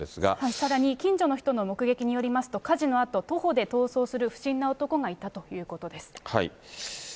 さらに近所の人の目撃によりますと、火事のあと、徒歩で逃走する不審な男がいたということです。